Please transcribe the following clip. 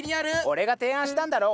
俺が提案したんだろ！